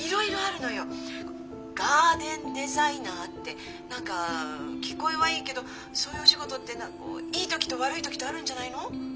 ガーデンデザイナーって何か聞こえはいいけどそういうお仕事っていい時と悪い時とあるんじゃないの？